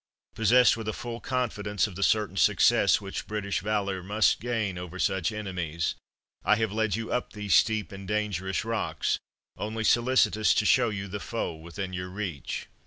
Possessed with a full confidence of the certain success which British valor must gain over such enemies, I have led you up these steep and dangerous rocks, only solicitous to show you the foe within your reach.